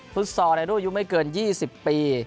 ฟุตซอร์ในรูปยุงไม่เกิน๒๐ปี